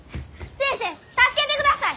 先生助けてください！